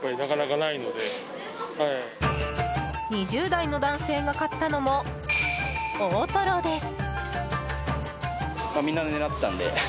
２０代の男性が買ったのも大トロです。